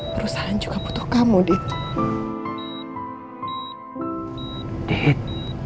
perusahaan juga butuh kamu dite